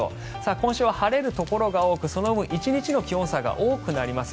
今週は晴れるところが多くその分１日の気温差が大きくなります。